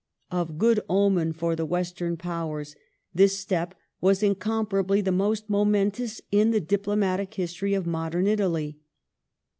Of good omen for the the Alli Western Powei*s, this step was incomparably the most momentous 26th* 1855 in the diplomatic history of modern Italy.